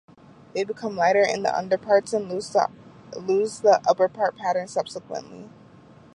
They become lighter in the underparts and lose the upperpart pattern subsequently.